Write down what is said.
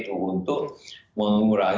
terus kita harus mencari penyelesaian